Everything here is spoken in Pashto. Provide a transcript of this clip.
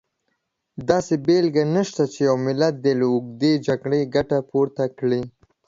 داسې بېلګه نشته چې یو ملت دې له اوږدې جګړې ګټه پورته کړي.